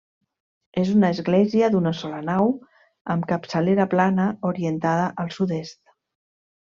És una església d'una sola nau, amb capçalera plana orientada al sud-est.